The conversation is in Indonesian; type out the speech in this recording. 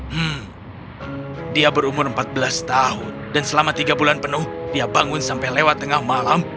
hmm dia berumur empat belas tahun dan selama tiga bulan penuh dia bangun sampai lewat tengah malam